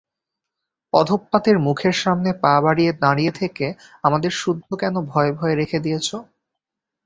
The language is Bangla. অধঃপাতের মুখের সামনে পা বাড়িয়ে দাঁড়িয়ে থেকে আমাদের সুদ্ধ কেন ভয়ে-ভয়ে রেখে দিয়েছ?